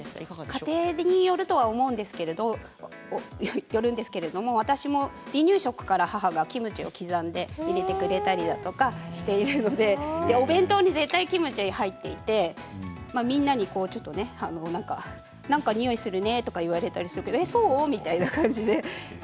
家庭によると思うんですけど私も離乳食から母がキムチを刻んで入れてくれたりとかしているのでお弁当に絶対キムチが入っていてみんなにちょっと何かにおいがするねと言われたりしてええそう？とか言ったりして。